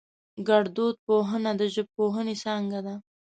گړدود پوهنه د ژبپوهنې څانگه ده